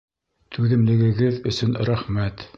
Түҙемлегегеҙ өсөн рәхмәт